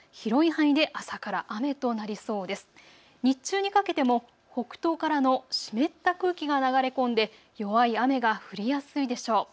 日中にかけても北東からの湿った空気が流れ込んで弱い雨が降りやすいでしょう。